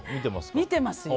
見ていますよ。